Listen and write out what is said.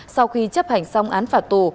sau khi chấp hành xong án phạt tù